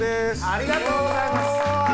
ありがとうございます。